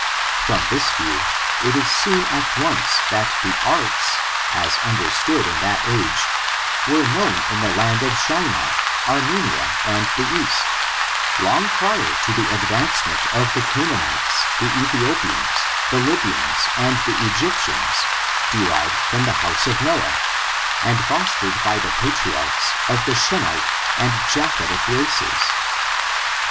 From this view, it is seen at once that the arts, as understood in that age, were known in the land of Shinar, Armenia, and the east, long prior to the advancement of the Canaanites, the Ethiopians, the Lybians, and the Egyptians, derived from the house of Noah, and fos tered by the patnarchs of the Shemite and Japhetic races.